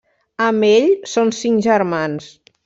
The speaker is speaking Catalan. Amb ell, són cinc germans: